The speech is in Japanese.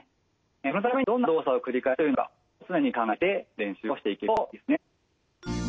そのためにはどんな動作を繰り返せるのかを常に考えて練習をしていけるといいですね。